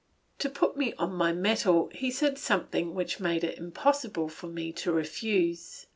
To put me on my mettle he said something which made it impossible for me to refuse.